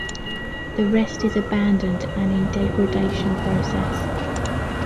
The rest is abandoned and in degradation process.